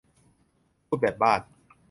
พูดแบบบ้าน